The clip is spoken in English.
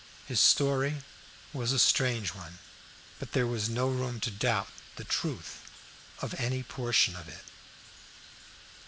His story was a strange one, but there was no room to doubt the truth of any portion of it.